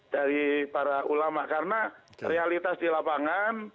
dari para ulama karena realitas di lapangan